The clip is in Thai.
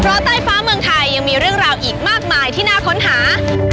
เพราะใต้ฟ้าเมืองไทยยังมีเรื่องราวอีกมากมายที่น่าค้นหา